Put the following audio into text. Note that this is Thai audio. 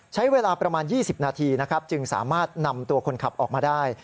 ใช้เวลาประมาณ๒๐นาทีนะครับจึงสามารถนำตัวคนขับออกมาได้